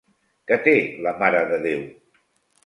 Què té la Mare de Déu?